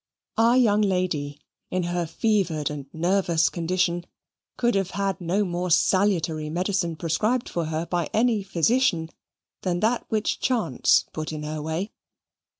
Our young lady, in her fevered and nervous condition, could have had no more salutary medicine prescribed for her by any physician than that which chance put in her way.